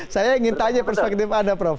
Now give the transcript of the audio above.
saya ingin tanya perspektif anda prof